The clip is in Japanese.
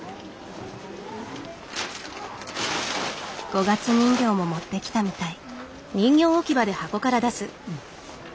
五月人形も持ってきたみたい。